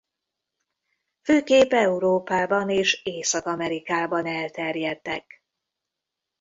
Főképp Európában és Észak-Amerikában elterjedtek.